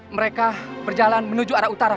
mereka berjalan menuju arah utara